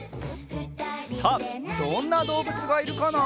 さあどんなどうぶつがいるかな？